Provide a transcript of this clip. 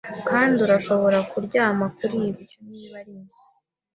kandi urashobora kuryama kuri ibyo, niba ari njye